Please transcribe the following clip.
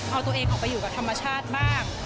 เอาตัวเองออกไปอยู่กับธรรมชาติบ้าง